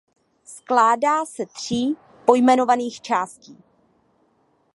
Skládá se tří pojmenovaných částí.